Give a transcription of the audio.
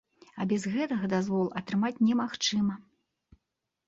А без гэтага дазвол атрымаць немагчыма.